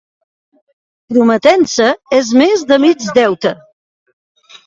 Prometença és més de mig deute.